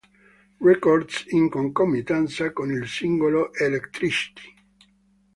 Records in concomitanza con il singolo "Electricity".